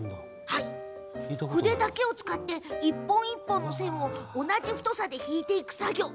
筆だけを使って一本一本の線を同じ太さで引いていく作業。